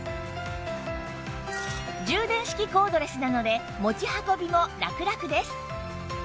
充電式コードレスなので持ち運びもラクラクです